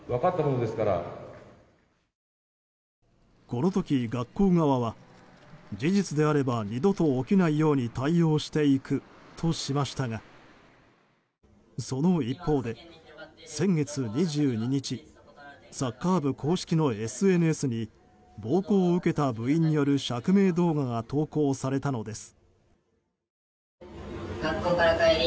この時、学校側は事実であれば二度と起きないように対応していくとしましたがその一方で、先月２２日サッカー部公式のＳＮＳに暴行を受けた部員による釈明動画が投稿されたのです。